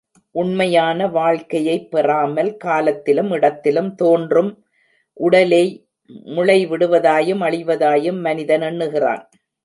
உண்மையான வாழ்க்கையைப் பெறாமல், காலத்திலும் இடத்திலும் தோன்றும் உடலே முளைவிடுவதாயும், அழிவதாயும் மனிதன் எண்ணுகிறான்.